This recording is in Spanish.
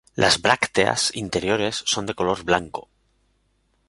Las brácteas interiores son de color blanco.